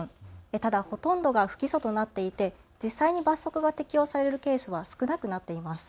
ただほとんどが不起訴となっていて実際に罰則が適用されるケースは少なくなっています。